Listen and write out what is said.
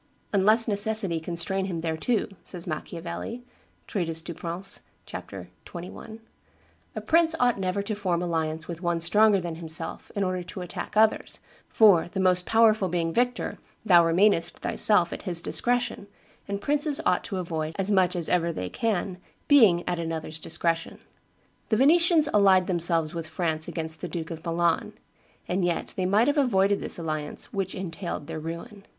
"Unless necessity constrain him thereto," says Machiavelli [treatise Du Prince, ch. xxi.], "a prince ought never to form alliance with one stronger than himself in order to attack others, for, the most powerful being victor, thou remainest, thyself, at his discretion, and princes ought to avoid, as much as ever they can, being at another's discretion. The Venetians allied themselves with France against the Duke of Milan; and yet they might have avoided this alliance, which entailed their ruin."